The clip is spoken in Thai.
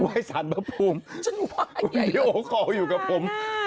ว่ายสารปภูมิสตูดิโอคอลอยู่กับผม